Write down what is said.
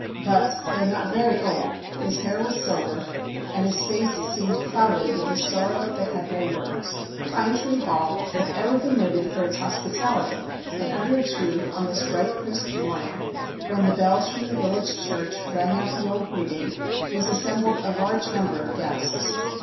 But, though not very old, his hair was silver, and his face seemed clouded with a sorrow that had no words. Pine Tree Hall had ever been noted for its hospi tality, and under its roof on this bright, crisp morning, when the bells from the village church rang out the old greeting, was assembled a large number of guests.